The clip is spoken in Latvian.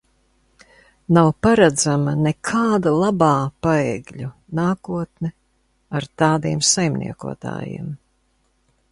Nav paredzama nekāda labā Paegļu nākotne ar tādiem saimniekotājiem.